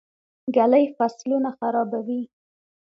ږلۍ فصلونه خرابوي.